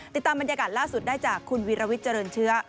ติดตามบรรยากาศล่าสุดได้จากคุณวิรวิทย์เจริญเชื้อ